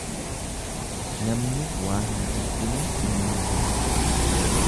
Namni waa hin jibbine innuu ka jibban.